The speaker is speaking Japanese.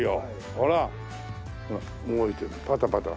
ほら動いてるパタパタ。